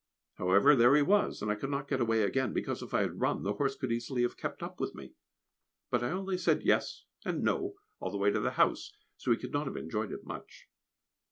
However, there he was, and I could not get away again, because, if I had run, the horse could easily have kept up with me. But I only said "Yes" and "No" all the way to the house, so he could not have enjoyed it much.